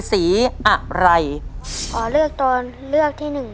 ใช่นักร้องบ้านนอก